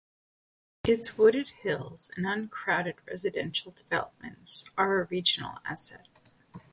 Its wooded hills and uncrowded residential developments are a regional asset.